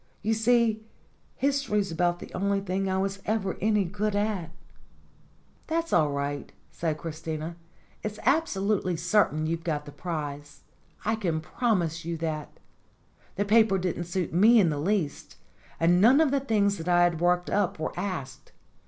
You see, history's about the only thing I was ever any good at." CHRISIMISSIMA 127 "That's all right," said Christina. "It's absolutely certain you've got the prize. I can promise you that. The paper didn't suit me in the least, and none of the things that I had worked up were asked.